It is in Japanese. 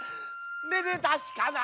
めでたしかな。